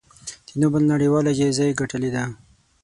د نوبل نړیواله جایزه یې ګټلې ده.